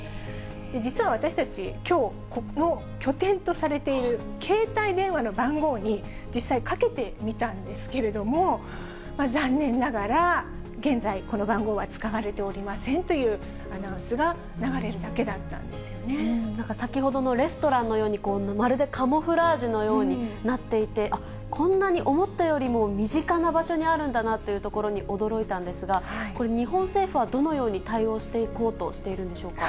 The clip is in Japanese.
実は私たち、きょう、拠点とされている携帯電話の番号に実際、かけてみたんですけれども、残念ながら、現在、この番号は使われておりませんというアナウンスが流れるだけだっ先ほどのレストランのように、まるでカモフラージュのようになっていて、こんなに思ったよりも身近な場所にあるんだなというところに驚いたんですが、これ、日本政府はどのように対応していこうとしているんでしょうか。